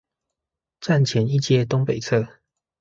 站前一街東北側